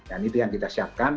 dan itu yang kita siapkan